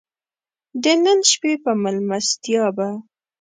د نن شپې په مېلمستیا به.